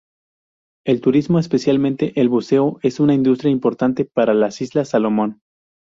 El turismo, especialmente el buceo, es una industria importante para las Islas Salomón.